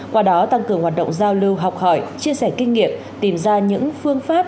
qua đó tăng cường hoạt động giao lưu học hỏi chia sẻ kinh nghiệm tìm ra những phương pháp